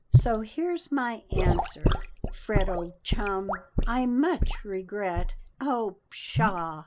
So, here's my answer: "Fred, old chum, I much regret oh, pshaw!